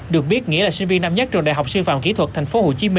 được biết nghĩa là sinh viên năm nhất trường đại học sư phạm kỹ thuật tp hcm